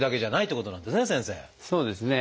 そうですね。